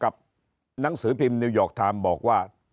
หนังสือพิมพ์นิวยอร์กไทม์บอกว่า